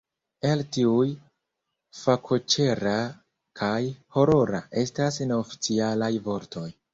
El tiuj, fakoĉera kaj horora estas neoficialaj vortoj.